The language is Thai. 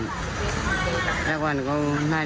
แล้วผมเป็นเพื่อนกับพระนกแต่ผมก็ไม่เคยช่วยเหลือเสียแป้ง